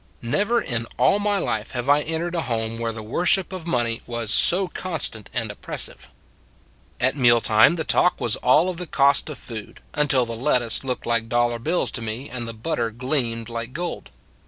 Never in all my life have I entered a home where the worship of money was so constant and oppressive. At meal time the talk was all of the cost of food, until the lettuce looked like dollar bills to me, and the butter gleamed like gold.